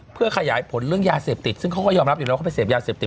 เพื่อขยายผลเรื่องยาเสพติดซึ่งเขาก็ยอมรับอยู่แล้วเขาไปเสพยาเสพติด